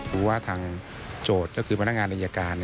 รู้ว่าทางโจทย์ก็คือพนักงานอายการ